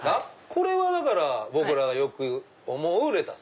これは僕らがよく思うレタス。